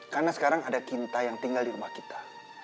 karena sekarang ada cinta yang tinggal di rumah kita